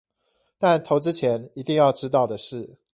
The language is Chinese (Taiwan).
但投資前一定要知道的事